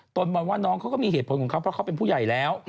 ตนมองว่าน้องเขาก็มีเหตุผลของเขาเพราะเขาเป็นผู้ใหญ่แล้ว